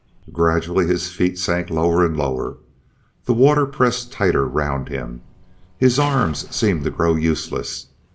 Gradually his feet sank lower and lower, the water pressed tighter round him, his arms seemed to grow useless.